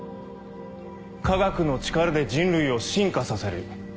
科学の力で人類を進化させる。